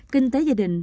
kinh tế gia đình